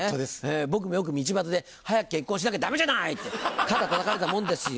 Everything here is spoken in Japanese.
僕もよく道端で「早く結婚しなきゃダメじゃない！」って肩たたかれたもんですよ。